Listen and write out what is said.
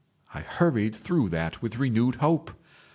I hurried through that with renewed hope.